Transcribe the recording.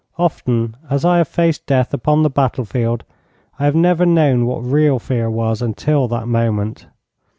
Often as I have faced death upon the battle field, I have never known what real fear was until that moment.